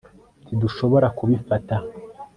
ntidushobora kubifata